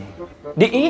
maksudnya takut hilang doi